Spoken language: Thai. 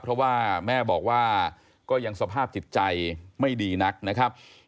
เพราะว่าแม่บอกว่าก็ยังสภาพจิตใจไม่ดีนักนะครับ